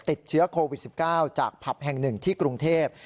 ติดเชื้อโควิด๑๙จากผับแห่งหนึ่งที่กรุงเทพ